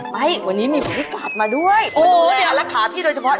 ไปวันนี้มีบริการ์ดมาด้วยโอ้โหเดี๋ยวมาดูแลรักษาพี่โดยเฉพาะ